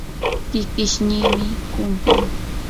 kikishniimi humpin.